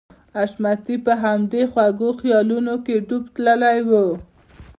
حشمتي په همدې خوږو خيالونو کې ډوب تللی و.